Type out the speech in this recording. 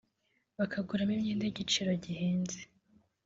bakaguramo imyenda y’igiciro gihenze